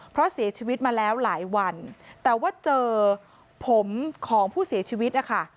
เพราะเสียชีวิตมาแล้วหลายวันแต่ว่าเจอผมของผู้เสียชีวิตนะคะ